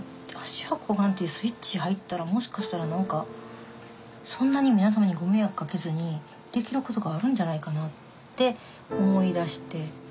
芦屋小雁ってスイッチ入ったらもしかしたら何かそんなに皆様にご迷惑かけずにできる事があるんじゃないかなって思い出して。